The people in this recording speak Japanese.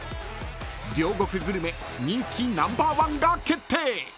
［両国グルメ人気ナンバーワンが決定］